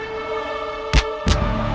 aku mau ke kanjeng itu